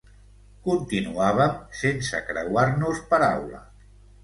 Continuàvem sense creuar-nos paraula.